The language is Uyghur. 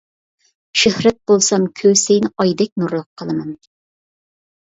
شۆھرەت بولسام كۆسەينى ئايدەك نۇرلۇق قىلىمەن.